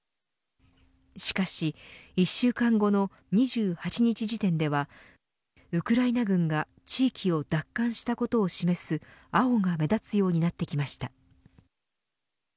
しかし１週間後の２８日時点ではウクライナ軍が地域を奪還したことを示す青が目立つようになってきました。